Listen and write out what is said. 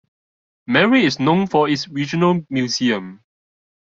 Mary is known for its Regional Museum.